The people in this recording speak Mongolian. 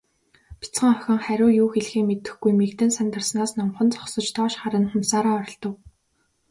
Бяцхан охин хариу юу хэлэхээ мэдэхгүй, мэгдэн сандарснаас номхон зогсож, доош харан хумсаараа оролдов.